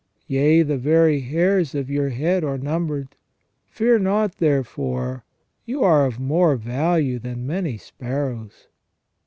Yea, the very hairs of your head are numbered. Fear not, therefore : you are of more value than many sparrows."